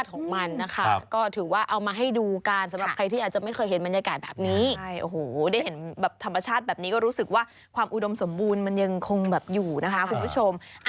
ของมันนะคะก็ถือว่าเอามาให้ดูกันสำหรับใครที่อาจจะไม่เคยเห็นบรรยากาศแบบนี้โอ้โหได้เห็นแบบธรรมชาติแบบนี้ก็รู้สึกว่าความอุดมสมบูรณ์มันยังคงแบบอยู่นะคะคุณผู้ชม